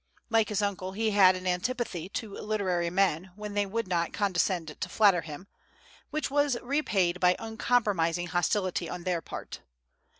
Like his uncle, he had an antipathy to literary men when they would not condescend to flatter him, which was repaid by uncompromising hostility on their part.